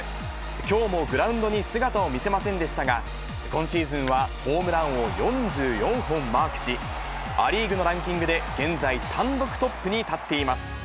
きょうもグラウンドに姿を見せませんでしたが、今シーズンはホームランを４４本マークし、ア・リーグのランキングで現在単独トップに立っています。